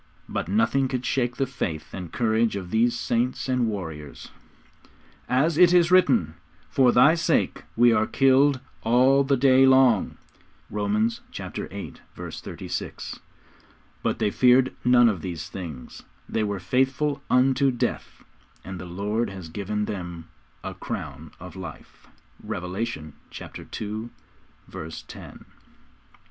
But nothing could shake the faith and courage of these saints and warriors. 'As it is written, For Thy sake we are killed all the day long.' (Romans viii. 36.) But they feared none of these things; they were faithful unto death, and the Lord has given them a crown of life. (Revelation ii. 10.) Romans ix.